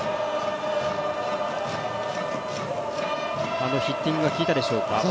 あのヒッティングがきいたでしょうか。